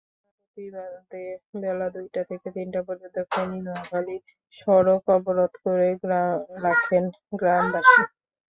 ঘটনার প্রতিবাদে বেলা দুইটা থেকে তিনটা পর্যন্ত ফেনী-নোয়াখালী সড়ক অবরোধ করে রাখেন গ্রামবাসী।